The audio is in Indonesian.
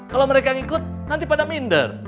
kalau mereka yang ikut nanti pada minder